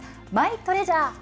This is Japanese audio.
マイトレジャー。